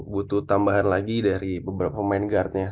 butuh tambahan lagi dari beberapa main guardnya